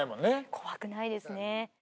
怖くないですね